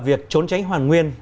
việc trốn tránh hoàn nguyên